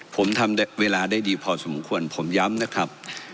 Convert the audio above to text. ผมทำเวลาได้ดีพอสมควรผมย้ำนะครับ